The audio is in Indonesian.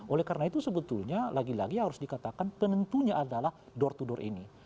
oleh karena itu sebetulnya lagi lagi harus dikatakan tentunya adalah door to door ini